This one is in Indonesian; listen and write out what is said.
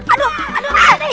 aduh aduh mati